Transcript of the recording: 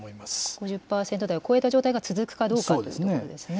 ５０％台を超えた状態が続くかどうかということですね。